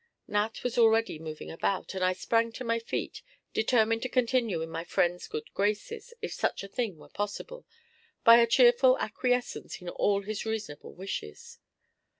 Nat was already moving about, and I sprang to my feet, determined to continue in my friend's good graces, if such a thing were possible, by a cheerful acquiescence in all his reasonable wishes.